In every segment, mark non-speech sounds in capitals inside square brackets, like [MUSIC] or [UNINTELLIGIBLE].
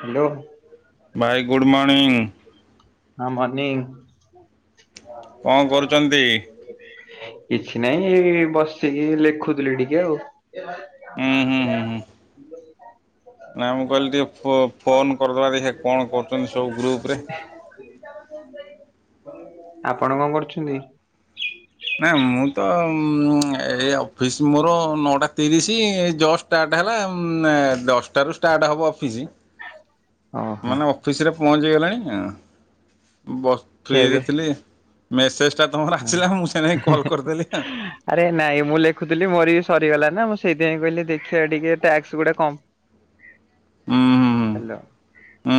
Hello. ଭାଇ good morning. ହଁ morning. କଣ କରୁଚନ୍ତି? କିଛି ନାଇଁ ବସିକି ଲେଖୁଥିଲି ଟିକେ ଆଉ। ଉଁ ହୁଁ ହୁଁ ହୁଁ। ନା ମୁଁ କହିଲି ଟିକେ ଫୋନ୍ କରିଦେବା ଦେଖିଆ କଣ କରୁଚନ୍ତି ସବୁ ଗ୍ରୁପ୍ ରେ। ଆପଣ କଣ କରୁଛନ୍ତି? ନା ମୁଁ ତ ଏଇ ଅଫିସ୍‌ ମୋର ନଅଟା ତିରିଶ ଏ ଜଷ୍ଟ ଷ୍ଟାର୍ଟ ହେଲା ଦଶଟାରୁ ଷ୍ଟାର୍ଟ ହେବ ଅଫିସ। ଓହୋ ମାନେ ଅଫିସରେ ପହଞ୍ଚିଗଲେଣି ବ ଖିଆ ଫ୍ରି ପିଆ ରେ ଥିଲି। ମେସେଜ୍ ଟା ତୁମର ହଁ। ଆସିଲା ମୁଁ ସେ ନେଇ କଲ୍ କରିଦେଲି ଆଉ। ଆରେ ନାଇଁ ମୁଁ ଲେଖୁଥିଲି ମୋର ବି ସରିଗଲା ନା ମୁଁ ସେଇଥିପାଇଁ କହିଲି ଦେଖିବା ଟିକେ ଟ୍ୟାକ୍ସ ଗୁଡା କମ୍ ହ [INAUDIBLE] ହ୍ୟାଲୋ। ଉଁ।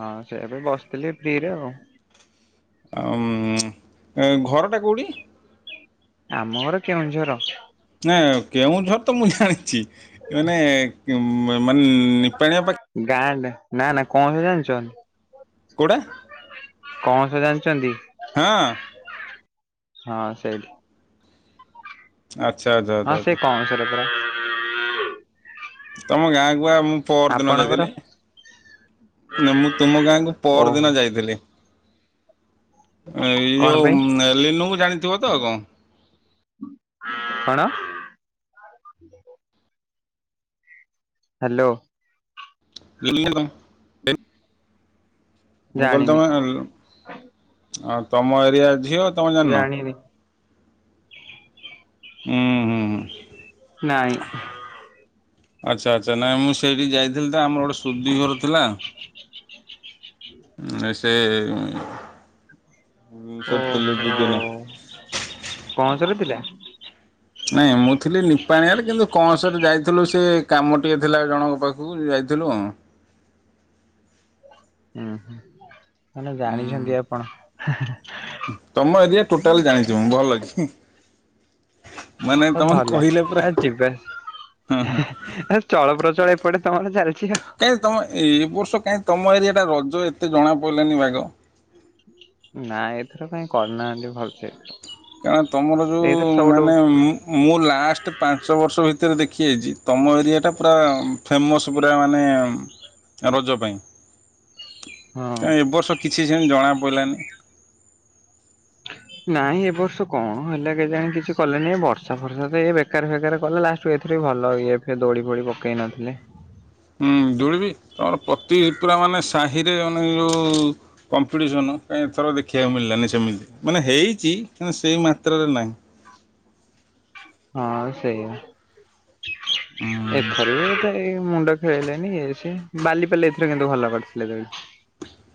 ହଁ ସେ ଏବେ ବସିଥିଲି ଫ୍ରି ରେ ଆଉ। ଅ ମ୍ ଘରଟା କୋଉଁଠି? ଆମ ଘର କେଉଁଝର। ନା କେଉଁଝର ତ ମୁଁ ଜାଣିଛି ମାନେ ମାନେ ନିପାଣିବା ଗାଁ ନାଁ ନା କଣ ଜାଣିଚନ୍‌? କୋଉଟା କଣ ସେ ଜାଣିଛନ୍ତି? ହଁ। ହଁ ସେଇ ଆଚ୍ଛା ଆଚ୍ଛା। ଆଚ୍ଛା ହଁ ସେ ଆଚ୍ଛା କଣ କଁସରପରା। ତମ ଗାଁ କୁ ଆ ମୁଁ ପରଦିନ ଆପଣଙ୍କର? ଯାଇଥିଲି। ନା ମୁଁ ତୁମ ଗାଁକୁ ଓହୋ ପରଦିନ ଯାଇଥିଲି। ଏଇ କଣ ଯୋଉ ପାଇଁ ଲିନୁ କୁ ଜାଣିଥିବ ତ ଉଁ କଣ? କଣ? ହ୍ୟାଲୋ। [UNINTELLIGIBLE] ହୁଁ। ମୁଁ କହିଲି ତମେ ତମ ଏରିଆ ଝିଅ ତମେ ଜାଣିନ? ଜାଣିନି। ହୁଁ ହୁଁ ହୁଁ ନାଇଁ। ଆଚ୍ଛା ଆଚ୍ଛା ନାଇଁ ମୁଁ ସେଇଠି ଯାଇଥିଲି ତ ଆମର ଗୋଟେ ସୁଧି ଘର ଥିଲା। ଉଁ ସେ ସେଠି ଥିଲି ଦି ଦିନ ଓହୋ କଅଁସର ପିଲା? ନାଇଁ ମୁଁ ଥିଲି ନିପାଣିଆରେ କିନ୍ତୁ କଅଁସର ଯାଇଥିଲୁ ସେ କାମ ଟିକେ ଥିଲା ଜଣଙ୍କ ପାଖକୁ ଯାଇଥିଲୁ ଆଉ। ହୁଁ ହୁଁ ମାନେ ହୁଁ ଜାଣିଛନ୍ତି ଆପଣ। ତମ ଏରିଆ ଟୋଟାଲ୍ ଜାଣିଛନ୍ତି ଭଲ କି। ମାନେ ହୋଉ ତମେ ଭଲ କହିଲେ ପୁରା ଆ ଯିବେ। ହଁ ହଁ ଚଳପ୍ରଚଳ ଏପଟେ ତମର ଚାଲିଚି ଆଉ। କାଇଁ ତମ ଏ ବର୍ଷ କାଇଁ ତମ ଏରିଆ ଟା ରଜ ଏତେ ଜଣା ପଡ଼ିଲାନି ବାଗ? ନା ଏଥର କାଇଁ କରିନାହାନ୍ତି ଭଲସେ। କାରଁ ତମର ଯୋଉ ଏଇଥର ସବୁଠୁ ମାନେ ଉଁ ମ୍ ମୁଁ ଲାଷ୍ଟ ପାଞ୍ଚ ବର୍ଷ ଭିତରେ ଦେଖି ଯାଇଚି ତମ ଏରିଆଟା ପୁରା ଫେମସ୍ ପୁରା ମାନେ ରଜ ପାଇଁ। ହଁ। କାଇଁ ଏବର୍ଷ କିଛି ସେମିତି ଜଣା ପଇଲାନି। ନାଇଁ ଏ ବର୍ଷ କଣ ହେଲା କେଜାଣି କିଛି କଲେନେଇଁ ବର୍ଷା ଫର୍ଷା ତ ଏ ବେକାର ଫେକାର କଲା ଲାଷ୍ଟ ଏଥିରେ ଭଲ ଇଏ ଫିଏ ଦୋଳି ଫୋଳି ପକେଇ ନଥିଲେ। ହୁଁ ଦୋଳିବି ଅ ପ୍ରତି ପୁରା ମାନେ ସାହିରେ ମାନେ ଯୋଉ କମ୍ପିଟିସନ କାଇଁ ଏଥର ଦେଖିବାକୁ ମିଳିଲାନି ସେମିତି। ମାନେ ହେଇଚି କିନ୍ତୁ ସେଇ ମାତ୍ରାରେ ନାହିଁ। ହଁ ସେଇଆ। ହୁଁ ଏ ଥର ବି ସେ ଏ ମୁଣ୍ଡ ଖେଳେଇଲେନି। ଇଏ ସିଏ ବାଲିପାଲି ଏଥର କିନ୍ତୁ ଭଲ କରିଥିଲେ ଦୋଳି।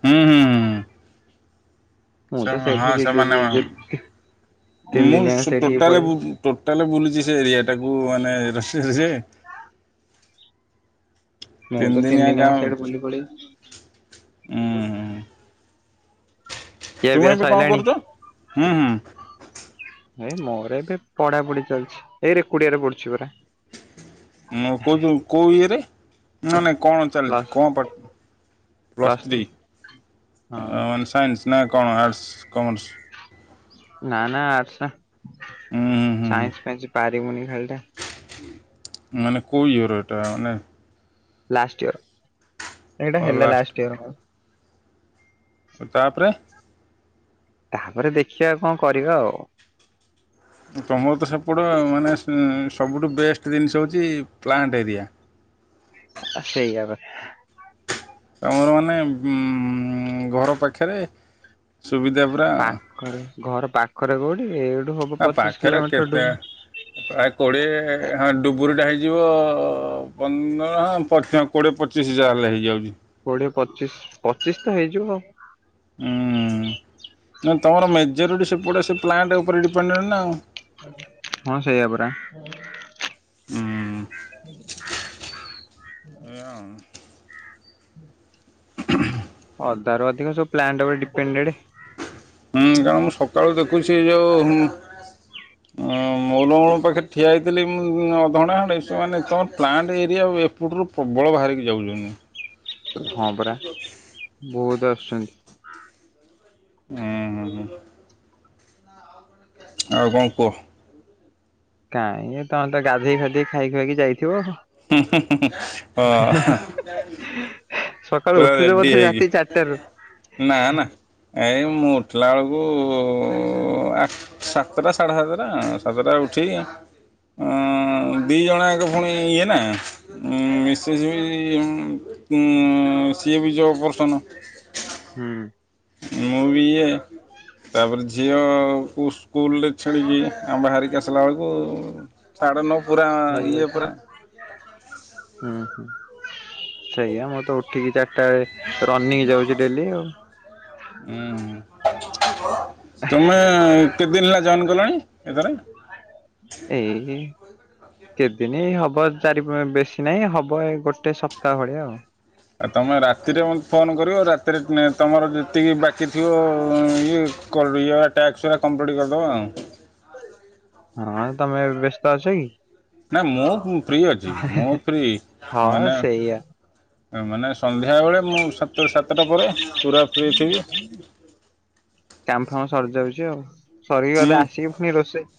ହୁଁ ହୁଁ। ହୁଁ। ମୁଁ ସେ ତ ସେଇଠି ହଁ ଦି ଦି ସେମାନେ ଦି ମ, ଦି ତିନି ଦିନିଆଙ୍କ ମୁଁ ସେଇଠିକି ଟୋଟାଲି ବୁ ପଳେଇବି ଟୋଟାଲି ବୁଲିଚି ସେ ଏରିଆ ଟାକୁ ମାନେ। [UNINTELLIGIBLE] ମୁଁ ତ ତିନି ଦିନିଆ ଦିନି ଗାଁ ହେଲା ହୁଁ ସିଆଡେ ବୁଲି ବୁଲି ଖିଆ ପିଆ ତୁମେ ଏବେ କଣ ସଇଲାଣି? କରୁଚ? ହୁଁ ହୁଁ। ଏ ମୋର ଏବେ ପଢା ପଢି ଚାଲିଛି। ଏଇ ରେକୋଡିଆ ରେ ପଢୁଛି ପରା। ମୋ କଉତୁ କୋଉ ଇଏରେ, ନା ନା କଣ ଚାଲିଚୁ ପ୍ଲସ୍ କଣ ପା, ପ୍ଲସ୍ ଥ୍ରୀ ହଁ ଅ ମାନେ ସାଇନ୍ସ ନା କଣ ଆର୍ଟ୍ସ କମର୍ସ? ନା ନା ଆର୍ଟସ ନା। ହୁଁ ହୁଁ ହୁଁ ହୁଁ ସାଇନ୍ସ ଫାଇନ୍ସ ପାରିବୁନି ଖାଲିଟା ମାନେ କୋଉ ଇୟର ଏଟା ମାନେ ଲାଷ୍ଟ ଇୟର। ଏଇଟା ହେଲା ଲାଷ୍ଟ ଇୟର ମୋର। ତାପରେ ତାପରେ ଦେଖିବା କଣ କରିବା ଆଉ। ତମର ତ ସେପଟୁଆ ମାନେ ସବୁଠୁ ବେଷ୍ଟ ଜିନିଷ ହଉଚି ପ୍ଲାଣ୍ଟ ଏରିଆ। ସେଇଆ ପା। ତମର ମାନେ ବୁଁ ଘର ପାଖରେ ସୁବିଧା ପୁରା। ପାଖରେ ଘର ପାଖରେ କୋଉଠି ଏଇଠୁ ହ ଆ ପାଖେରେ କେତେ ପ୍ରାୟ କୋଡିଏ ହଁ ଡୁବୁରିଟା ହେଇଯିବ ପନ୍ଦର ହଁ ପ୍ରଥ କୋଡ଼ିଏ ପଚିଶି ଯାହେଲେ ହେଇଯାଉଚି। କୋଡିଏ ପଚିଶ୍ ପଚିଶ୍ ତ ହେଇଯିବ ଆଉ। ଉଁ, ନା ତମର ମେଜରିଟି ସେପଟେ ସେ ପ୍ଲାଣ୍ଟ୍ ଉପରେ ଡିପେଣ୍ଡେଡ୍ ନା ଆଉ। ହଁ ସେଇଆ ପରା। ହୁଁ [INAUDIBLE] ଅଧାରୁ ଅଧିକ ସବୁ ପ୍ଲାଣ୍ଟ ଉପରେ ଡିପେଣ୍ଡେଡ଼୍। ହୁଁ କାରଣ ମୁଁ ସକାଳୁ ଦେଖୁଚି ସେ ଯୋଉ ଅଁ ମହୁଲବଣ ପାଖରେ ଠିଆ ହେଇଥିଲି ମୁଁ ଅଧଘଣ୍ଟା ଖଣ୍ଡେ ସେମାନେ ତମ ପ୍ଲାଣ୍ଟ ଏରିଆ ଆଉ ଏ ପଟରୁ ପ୍ରବଳ ବାହାରିକି ଯାଉଚନ୍ତି। ହଁ ପରା। ବହୁତ୍ ଆସୁଛନ୍ତି। [INAUDIBLE] ଆଉ କଣ କୁହ? କାଇଁ ତମେ ତ ଗାଧେଇ ଫାଧେଇ ଖାଇ ଖୁଆ କି ଯାଇଥିବ। ହୁଁ ହୁଁ ହୁଁ ହଁ [UNINTELLIGIBLE] ସକାଳୁ ପୁରା ଉଠୁଚ ରେଡି ବୋଧେ ହେଇକି ରାତି ଚାରିଟାରୁ? ନା ନା ଏଇ ମୁଁ ଉଠିଲା ବେଳକୁ ଉ ଆ ସାତଟା ସାଢେ ସାତଟା ସାତଟା ରେ ଉଠିକି ଅ ଦି ଜଣ ଜାକ ପୁଣି ଇଏ ନା। ଉଁ ମିସେସ୍ ବି ଉଁ ଉଁ ସିଏ ବି ଜବ୍ ପର୍ସନ। ହୁଁ। ମୁଁ ବି ଇଏ। ତାପରେ ଝିଅ କୁ ସ୍କୁଲ ଲେ ଛେଡ଼ିକି ଆମେ ବାହାରିକି ଆସିଲା ଏଳୁକୁ ସାଢ଼େ ନଅ ପୁରା ଇଏ ପୁଡ଼ା ଉୁଁ। ସୋଇଆ ମୁଁ ତ ଉଠିକି ଚାରଟା ଏଳେ ରନିଂ ଯାଉଚି ଡେଲି ଆଉ। ଉୁଁ ହୁଁ। ତୁମେ କେ ଦିନି ହେଲା ଜଏନ୍‌ କଲଣି? ଏତରେ। ନ୍ୟଜଲାଣ୍ଡ ଟା କହିପାରିବ! କେତେନି ହବ ଚାରି ପା ବେଶୀ ନାଇଁ ହବ ଏ ଗୋଟେ ସପ୍ତା ଭଳିଆ ଆଉ। ଆଉ ତମେ ରାତିରେ ମୋତ୍ ଫୋନ୍ କରିବ ରାତିରେ ତୁମେ ତମର ଯେତିକି ବାକି ଥିବ ଇଏ କଲିଆ ଟାକ୍ସ୍ ଉଆ କମପ୍ଲିଟ୍ କରିଦବା ଆଉଁ। ହଁ ତମେ ଏ ବ୍ୟସ୍ତ ଅଛ କି? ନା ମୁଁ ଉୁଁ ଫ୍ରି ଅଚି ମୁଁ ଫ୍ରି ହଁ ମାନେ ସେଇଆ ମାନେ ସନ୍ଧ୍ୟା ବେଳେ ମୁଁ ସାତ୍ ସାତଟା ପରେ ପୁରା ଫ୍ରି ଥିବି। କାମ୍ ଫାମ ସର୍ ଯାଉଚି ଆଉ ସରିିକି ବାଦେ ଆସିକି ଫୁଣି ରୋଷେ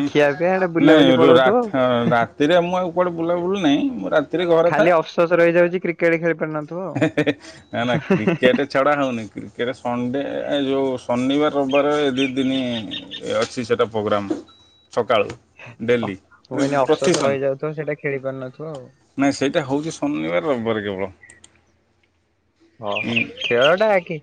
ଉୁଁ ନାଇଁ ପଳଉଥିବ ରାତ୍ ଆଉ ରାତିରେ ମୁଁ ଆଉ କୁଆଡେ ବୁଲା ବୁଲି ନେଇଁ ମୁଁ ରା ତିରେ ଘରେ ଖାଲି ଥାଏ ଅଫସୋସ ରହିଯାଉଛି କ୍ରିକେଟ ଖେଳି ପାରୁନଥିବ ଆଉ। ନା ନା କ୍ରିକେଟେ ଛାଡ଼ା ହଉନି କ୍ରିକେଟ୍ ସଣ୍ଡେ ଯୋଉ ଶନିବାର, ରବିବାର ଏ ଦି ଦିନି ଏ ଅଛି ସେଟା ପୋଗ୍ରାମ୍। ସକାଳୁ। ଅହ୍ ମୁଁ କହିନି ପ୍ରତି ଅପସୋସ ଶନି ରହିଯାଉଥିବ ସେଟା ଖେଳି ପାରୁନଥିବ ଆଉ। ନାଇଁ ସେଇଟା ହଉଚି ଶନିବାର, ରବିବାର କେବଳ। ଅ ହ ଉଁ ଖେଳ ଟା ଆଗେ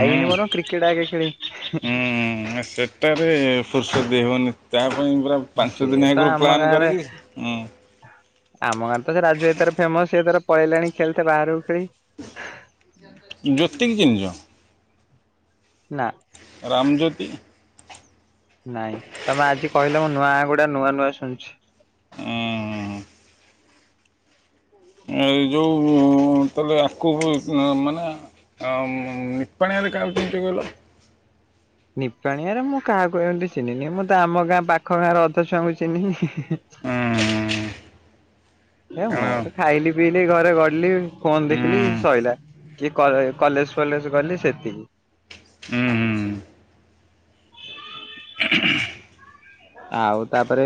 ହୁଁ ବରଂ କ୍ରିକେଟ ଆଗେ ଖେଳିବି। ହୁଁ ସେଟାରେ ଫୁର୍ସତ ଦେଇହବନି ତା ପାଇଁ ପୁରା ପାଞ୍ଚ ସିଏ ଦିନି ତ ଆଗୁରୁ ଆମ ପ୍ଲାନ୍ ଗାଁରେ କରିକି ଉୁଁ ଆମ ଗାଁ ତ ସେ ରାଜୁ ଭାଇ ତାର ଫେମସ ସେ ତାର ପଳେଇଲାଣି ଖେଳିତେ ବାହାରକୁ ଖେଳି ଜ୍ୟୋତି କିଂ ଚିନିଚ? ନା। ରାମଜ୍ୟୋତି? ନାଇଁ ତମେ ଆଜି କହିଲ ମୁଁ ନୂଆ ଗୁଡା ନୂଆ ନୂଆ ଶୁଣୁଛି। ଉୁଁ। ଏ ଯୋଉ ଉଁ ତାହେଲେ ଆକୁ ମାନେ ଆଉଁ ନିପାଣିଆରେ କାହାକୁ ଚିନିଚ କହିଲ? ନିପାଣିଆରେ ମୁଁ କାହାକୁ ଏମିତି ଚିନିନି ମୁଁ ତ ଆମ ଗାଁ ପାଖ ଗାଁର ଅଧେ ଛୁଆଙ୍କୁ ଚିହ୍ନିନି। ହୁଁ ଏ ମୋର ଖାଇଲି ପିଇଲି ଘରେ ଗଡିଲି ଫୋନ ଦେଖିଲି ସଇଲା। କି କଳେ କଲେଜ ଫଲେଜ ଗଲି ସେତିକି। ଉୁଁ ହୁଁ। [INAUDIBLE] ଆଉ ତାପରେ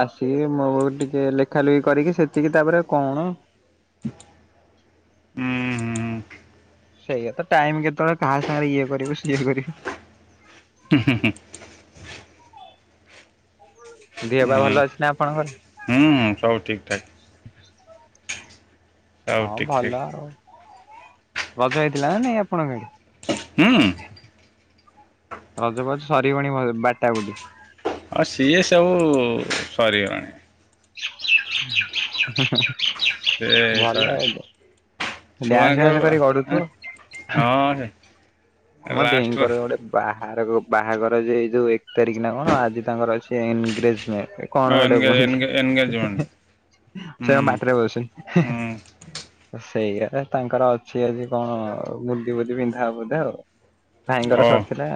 ଆସିକି ମୋ ଟିକେ ଲେଖା ଲୁଖି କରିକି ସେତିକି ତାପରେ କଣ। ଉୁଁ ହୁଁ। ସେଇଆ ତ ଟାଇମ୍ କେତ [UNINTELLIGIBLE] କାହା ସାଙ୍ଗରେ ଇଏ କରିବୁ ସିଏ କରି [UNINTELLIGIBLE] ଦିଅ ପା ଭଲ ଅଛି ନା ଆପଣଙ୍କର? ହୁଁ ସବୁ ଠିକ୍ ଠାକ୍। ସବୁ ହଁ ଠିକ୍ ଠାକ୍ ଭଲ ଆଉ ଅଜ ହେଇଥିଲା ନା ନାଇଁ ଆପଣଙ୍କ ଏଠି? ହୁଁ। ରଜଫଜ ସରିବଣି ବୋ [UNINTELLIGIBLE] ବାଟା ବୋ [UNINTELLIGIBLE] ଅ ସିଏ ସବୁ ସରିଗଲାଣି। [INAUDIBLE] ଡ୍ୟାନ୍ସ୍ ସେ ଛୁଆଙ୍କର ଫ୍ୟାନ୍ସ୍ କରି ଗଡୁଥୁବ ହଁ ମୋ ଲାଷ୍ଟର ଦେଇଙ୍କର ଗୋଟେ ବାହାରଗୋଉ ବାହାଘର ଯେ ଯୋଉ ଏକ ତାରିଖ ନା କଣ ଆଜି ତାଙ୍କର ଅଛି ଏନଗ୍ରେଜମେଣ୍ଟ। କଣ ସେଟେ କୁହନ୍ତି ଏନଗେଜମେଣ୍ଟ ହୁଁ ସେ ପାଟିରେ ପସୁନି ହୁଁ ସେଇଆ ତାଙ୍କର ଅଛି ଆଜି କଣ ମୁଦି ବୁଦି ପିନ୍ଧା ବୋଧେ ଆଉ ଭାଇଙ୍କର ସରିଥିଲା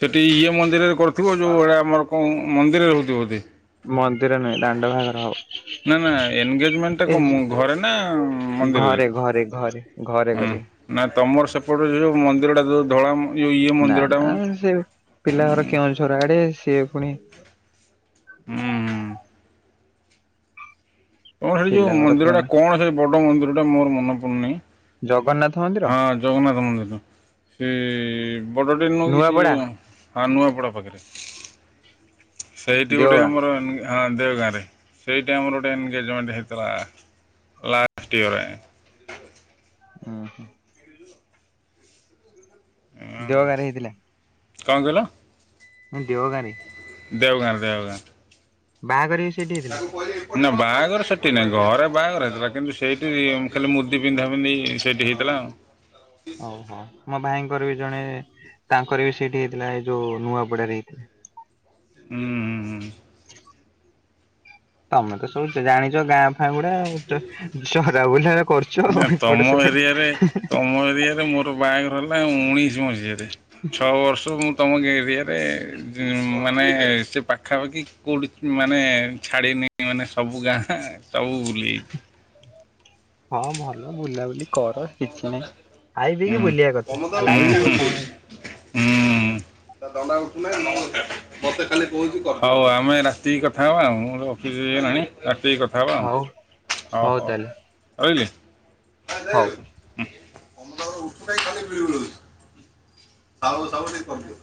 ସେଇଠି ଇଏ ମନ୍ଦିରରେ କରିଥିବ ଯେଉଁ ଏଡ଼ଆ ଆମର ମନ୍ଦିରରେ ହେଉଥିବ ବୋଧେ ମନ୍ଦିର ନୁହେଁ ଦାଣ୍ଡ ବାଘର ନା ନା ଏନଗେଜମେଣ୍ଟଟା ହବ କଣ ଘରେ ନା ଘରେ ଘରେ ଘରେ ଘରେକରିବେ। ନାଁ ତମର ସେପଟେ ଯୋଉ ମନ୍ଦିରଟା ଯୋଉ ଧଳା ଯୋଉ ଇଏ ମନ୍ଦିର ଟା ମ ସେ ପିଲା ଘର କେଉଁଝର ଆଡେ ସିଏ ପୁଣି ହୁଁ। ତଣ ସେଠ ଯେଉଁ ପିଲାଘର କେଉଁ ମନ୍ଦିରଟା ଣ ସେ ବଡ଼ ମନ୍ଦିରଟା ମୋର ମନେ ପଡ଼ୁନାହିଁ ଜଗନ୍ନାଥ ମନ୍ଦିର। ହଁ ଜଗନ୍ନାଥ ମନ୍ଦିର। ସେ ବଡ଼ ଟେନ କି ସେ ନୂଆପଡା ହ ନୁହଁପଡ଼ା ପାଖରେ। ସେଇଠି ଗୋଟେ ଦେଓଗାଁ ଆମର ହଁ ଦେଓଗାଁରେ ସେଇ ଟାଇମ୍ର ଗୋଟେ ଏନଗେଜମେଣ୍ଟ ହେଇଥିଲା ଲାଷ୍ଟ ଇୟର। ହୁଁ ହୁ। ଦେଓଗାଁ ରେ ହେଇଥିଲା। କଣ କହିଲ? ଦେଓଗାଁ ରେ। ଦେଓଗାଁ ରେ ଦେଓଗାଁ ରେ। ବାହାଘର ସେଇଠି ହେଇଥିଲା ତାକୁ କହିବି ନା ବାହାଘର ସେଠି ନାଇଁ ଘରେ ବାହାଘର ହେଇଥିଲା କିନ୍ତୁ ସେଇଠି ଖାଲି ମୁଦି ପିନ୍ଧା ପିନ୍ଧି ସେଇଠି ହେଇଥିଲା ଆଉ। ଓହୋ ମୋ ଭାଇଙ୍କର ବି ଜଣେ ତାଙ୍କର ବି ସେଇଠି ହେଇଥିଲା ଏଇ ଯୋଉ ନୂଆ ବଡାରେ ହେଇଥିଲା। ହୁଁ ହୁଁ ହୁଁ। [INAUDIBLE] ତମେ ତ ସବୁ ଜାଣିଛ ଗାଁ ଫାାଗୁଡା ଚରା ବୁଲା କରୁଛ ନା ଏପଟ ତମ ସେପଟ ଏରିଆରେ ତମ ଏରିଆରେ ମୋର ବାହା ହେଲା ଉଣେଇଶି ମସିହାରେ ଛଅ ବର୍ଷ ମୁଁ ତମ ଏରିଆରେ ମାନେ ସେ ପାଖାପାଖି କେଉଠି ମାନେ ଛାଡ଼ିନ ମାନେ ସବୁ ଗାଁ ସବୁ ବୁଲି ହଁ ଭଲ ବୁଲାବୁଲି କର କିଛି ନାହିଁ ଆଇବି କି ହୁଁ। ବୁଲିବା କଥା ତମେ ତ ଆଉ ବୁଲି ଲାଇରେ ଆଉ ବୁଲି ଯାଇଛ। କଣ ଅଛି। ହୁଁ। [UNINTELLIGIBLE] ହଉ ଆମେ ରାତି କଥା ହବା ଆ ଅଫିସଇଲାଣି ରାତି କ ହେ ହ ହଉ ହଉ ହୋ। ତାହେଲେ ରହିଲି। ହଉ। ସଉ ସବୁଠିକ କରୁ